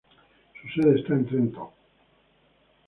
Su sede está en Trenton.